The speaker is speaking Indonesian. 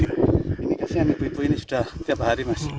ini kasian ibu ibu ini sudah tiap hari